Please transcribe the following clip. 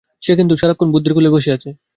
সে কিন্তু সারাক্ষণ বুদ্ধের কোলেই বসে আছে।